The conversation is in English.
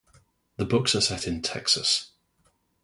The books are set in Texas.